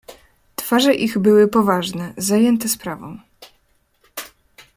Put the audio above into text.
"Twarze ich były poważne, zajęte sprawą."